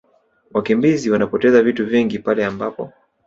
Wakimbizi wanapoteza vitu vingi pale ambapo